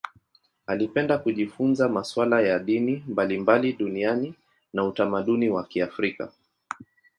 Alipenda kujifunza masuala ya dini mbalimbali duniani na utamaduni wa Kiafrika.